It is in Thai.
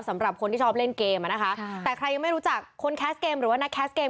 สำหรับคนที่ชอบเล่นเกมอ่ะนะคะแต่ใครยังไม่รู้จักคนแคสเกมหรือว่านักแคสเกม